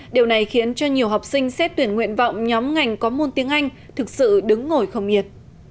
điều này khiến cho nhiều học sinh xét tuyển nguyện vọng nhóm ngành có môn tiếng anh thực sự đứng ngồi không nhiệt